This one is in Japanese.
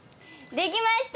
できました！